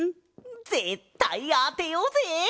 ぜったいあてようぜ！